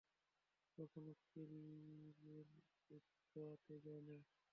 কখনো ক্যারিবুর দুধ দোয়াতে যেও না।